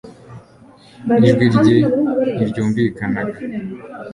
ijwi rye ntiryumvikanaga